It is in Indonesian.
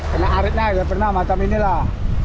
kena arit saya pernah macam inilah